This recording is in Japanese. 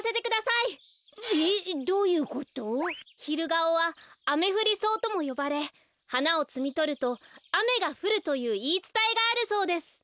ヒルガオはアメフリソウともよばれはなをつみとるとあめがふるといういいつたえがあるそうです。